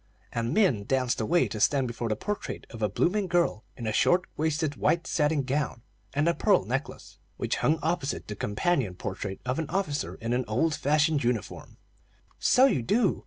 And Min danced away to stand before the portrait of a blooming girl in a short waisted, white satin gown and a pearl necklace, which hung opposite the companion portrait of an officer in an old fashioned uniform. "So you do.